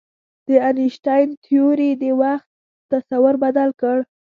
د انیشتین تیوري د وخت تصور بدل کړ.